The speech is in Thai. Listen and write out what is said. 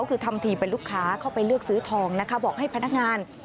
เข้าไปเลือกซื้อทองนะคะบอกให้พนักงาน